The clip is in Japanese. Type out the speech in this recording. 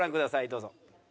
どうぞ。